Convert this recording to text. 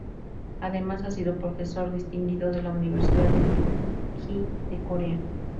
Además, ha sido Profesor Distinguido de la Universidad de Kyung Hee de Corea.